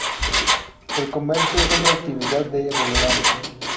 El comercio es otra actividad de relevancia.